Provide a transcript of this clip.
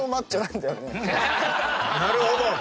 なるほど！